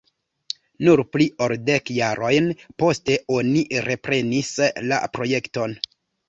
Nur pli ol dek jarojn poste oni reprenis la projekton.